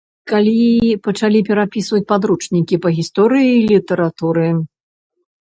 Калі пачалі перапісваць падручнікі па гісторыі й літаратуры.